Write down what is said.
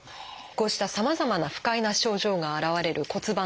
こうしたさまざまな不快な症状が現れる骨盤臓器脱。